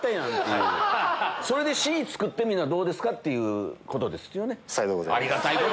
それで「Ｃ」作ってみたらどうですか？ってことですね。